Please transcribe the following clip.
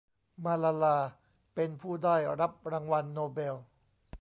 มาลาลาเป็นผู้ได้รับรางวัลโนเบล